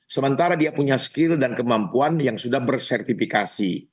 sementara dia punya skill dan kemampuan yang sudah bersertifikasi